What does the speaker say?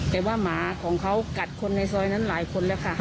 แต่ว่าหมาของเขากัดคนในซอยนั้นหลายคนแล้วค่ะ